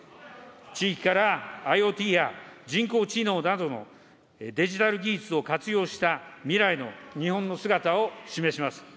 地域からＩｏＴや人工知能などのデジタル技術を活用した、未来の日本の姿を示します。